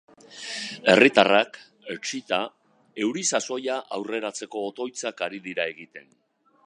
Herritarrak, etsita, euri sasoia aurreratzeko otoitzak ari dira egiten.